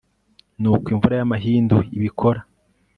nkuko imvura y'amahindu ibikora